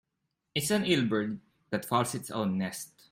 It's an ill bird that fouls its own nest.